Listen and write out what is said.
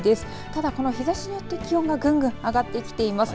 ただ、この日ざしによって気温がぐんぐん上がってきています。